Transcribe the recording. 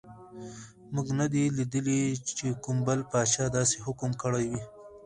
موږ نه دي لیدلي چې کوم بل پاچا داسې حکم کړی وي.